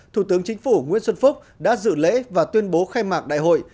thủ tướng chính phủ nguyễn xuân phúc đã dự lễ và tuyên bố khai mạc đại hội